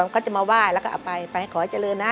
เค้าจะมาว่ายแล้วก็ไปขอให้เจริญนะ